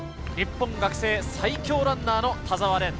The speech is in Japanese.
日本学生最強ランナーの田澤廉。